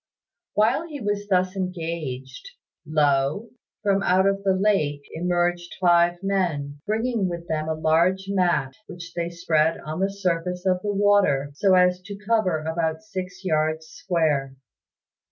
While he was thus engaged, lo! from out of the lake emerged five men, bringing with them a large mat which they spread on the surface of the water so as to cover about six yards square.